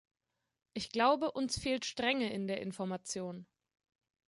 Ich glaube, uns fehlt Strenge in der Information.